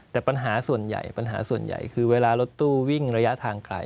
แต่ปัญหาส่วนใหญ่คือเวลารถตู้วิ่งระยะทางไกล